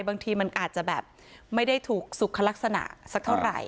บางทีมันอาจจะแบบไม่ได้ถูกสุขลักษณะสักเท่าไหร่